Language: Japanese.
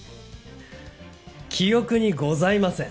記憶にございません。